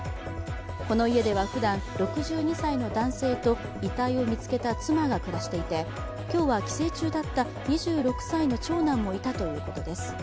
この家ではふだん、６２歳の男性と、遺体を見つけた妻が暮らしていて今日は、帰省中だった２６歳の長男もいたということです。